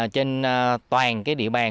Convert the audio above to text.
trên toàn địa bàn